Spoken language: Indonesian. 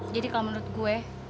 jadi kalau menurut gue